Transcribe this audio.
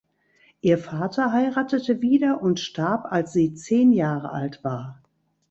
Ihr Vater heiratete wieder und starb, als sie zehn Jahre alt war.